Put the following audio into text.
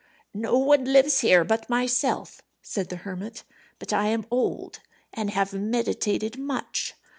"No one lives here but myself," said the hermit, "but I am old, and have meditated much.